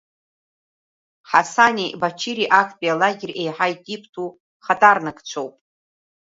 Ҳасани Бачири актәи алагер еиҳа итиптәу хаҭарнакцәоуп.